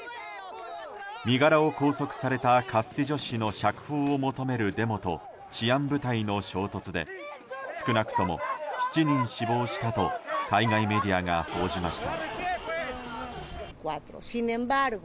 身柄を拘束されたカスティジョ氏の釈放を求めるデモと治安部隊の衝突で少なくとも７人死亡したと海外メディアが報じました。